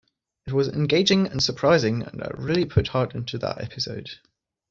It was engaging and surprising and I really put heart into that episode.